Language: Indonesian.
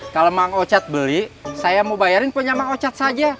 kalau bang ocet beli saya mau bayarin punya bang ocet saja